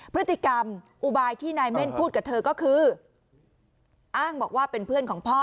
พฤติกรรมอุบายที่นายเม่นพูดกับเธอก็คืออ้างบอกว่าเป็นเพื่อนของพ่อ